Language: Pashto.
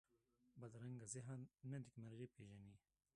بدرنګه ذهن نه نېکمرغي پېژني